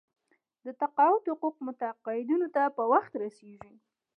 د تقاعد حقوق متقاعدینو ته په وخت رسیږي.